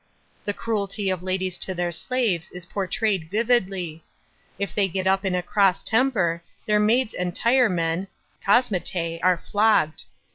The cruelty of ladies to their slaves is p >rtrayed vividly. If they g. t up in a cross temper, their maids and tire men (cosmetas) are flogged.